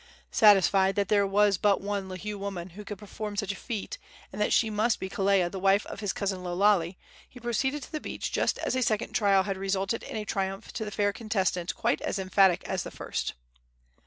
Satisfied that there was but one Lihue woman who could perform such a feat, and that she must be Kelea, the wife of his cousin Lo Lale, he proceeded to the beach just as a second trial had resulted in a triumph to the fair contestant quite as emphatic as the first.